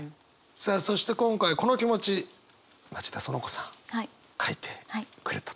さあそして今回この気持ち町田そのこさん書いてくれたということで。